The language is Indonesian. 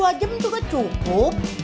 dua jam juga cukup